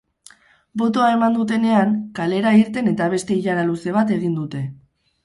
Botoa eman dutenean, kalera irten eta beste ilara luze bat egin dute.